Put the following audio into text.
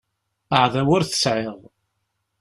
Aεdaw ur t-sεiɣ.